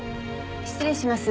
失礼します。